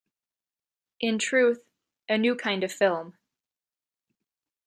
In truth, a new kind of film.